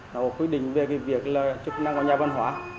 nó quyết định về cái việc là chức năng của nhà văn hóa